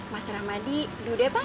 mas rahmadi dudek pak